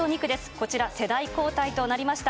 こちら、世代交代となりました。